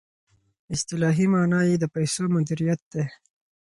اصطلاحي معنی یې د پیسو مدیریت دی.